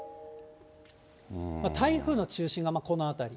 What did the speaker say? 台風の中心がこの辺り。